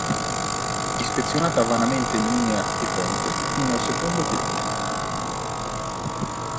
Ispezionata vanamente linea e ponte fino al secondo chilometro.